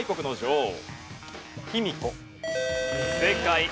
正解。